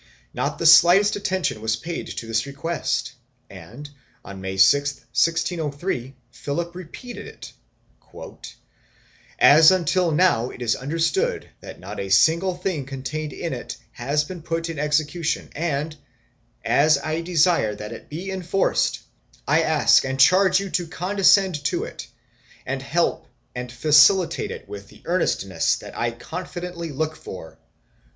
Not the slightest attention was paid to this request and, on May 6, 1603, Philip repeated it "As until now it is understood that not a single thing contained in it has been put in execution and, as I desire that it be enforced, I ask and charge you to condescend to it and help and facilitate it with the earnestness that I confidently look for."